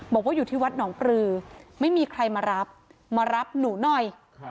บอกว่าอยู่ที่วัดหนองปลือไม่มีใครมารับมารับหนูหน่อย